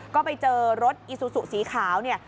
ก็ไปเจอรถอีซูซูสีขาวเนี่ย